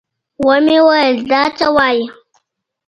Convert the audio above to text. ومې ويل دا څه وايې.